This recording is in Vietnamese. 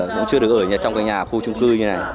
cũng chưa được ở trong nhà khu chung cư như này